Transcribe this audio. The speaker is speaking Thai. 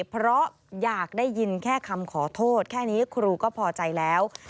เพราะอยากได้ยินแค่คำขอโทษแค่นี้ครูก็พอใจแล้ว